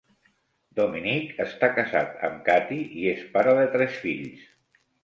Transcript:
Dominic està casat amb Cathie i és pare de tres fills.